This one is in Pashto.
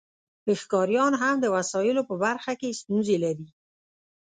ښکاریان هم د وسایلو په برخه کې ستونزې لري